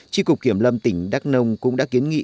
tri cục kiểm lâm tỉnh đắk nông cũng đã kiến nghị